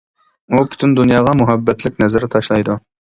ئۇ پۈتۈن دۇنياغا مۇھەببەتلىك نەزەر تاشلايدۇ.